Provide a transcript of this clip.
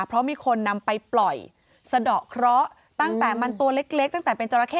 เพราะมีคนนำไปปล่อยสะดอกเคราะห์ตั้งแต่มันตัวเล็กตั้งแต่เป็นจราเข้